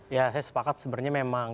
ya saya sepakat sebenarnya memang